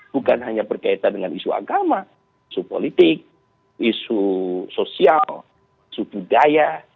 bukan hanya berkaitan dengan isu agama isu politik isu sosial isu budaya